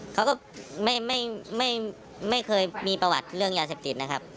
เขาก็ไม่เคยมีประวัติเรื่องยาเสพติดนะครับ